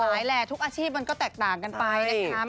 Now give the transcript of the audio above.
แหละทุกอาชีพมันก็แตกต่างกันไปนะครับ